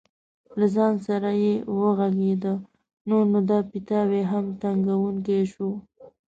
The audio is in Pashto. له ځان سره یې وغږېده: نور نو دا پیتاوی هم تنګوونکی شو.